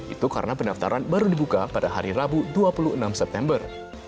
itu karena pendaftaran baru dibuka pada hari rabu dua puluh enam september